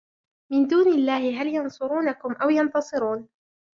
مِنْ دُونِ اللَّهِ هَلْ يَنْصُرُونَكُمْ أَوْ يَنْتَصِرُونَ